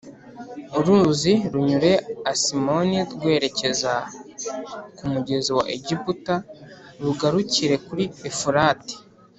Uruzi runyure Asimoni rwerekeza ku mugezi wa Egiputa rugarukire kuri ufurate